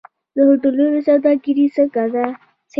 د هوټلونو سوداګري څنګه ده؟